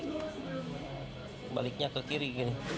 kembalinya ke kiri